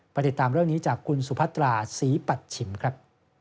ติดตามเรื่องนี้จากคุณสุพัตราศรีปัชชิมครับ